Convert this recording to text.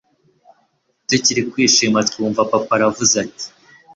tukiri kwishima twumva papa aravuze ati